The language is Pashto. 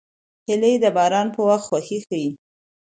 هیلۍ د باران په وخت خوښي ښيي